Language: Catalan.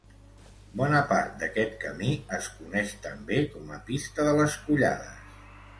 Bona part d'aquest camí es coneix també com a Pista de les Collades.